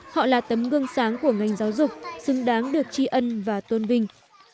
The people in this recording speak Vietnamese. họ là tấm gương sáng của ngành giáo dục xứng đáng được tri ân và tôn vinh